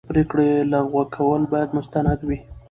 د پرېکړې لغوه کول باید مستند وي.